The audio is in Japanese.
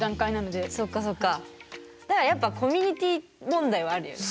じゃあ、やっぱコミュニティ問題はあるよね。